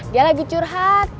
dia lagi curhat